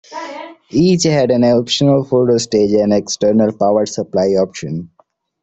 Each had an optional phono stage and external power supply option.